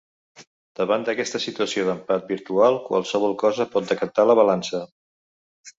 Davant d’aquesta situació d’empat virtual qualsevol cosa pot decantar la balança.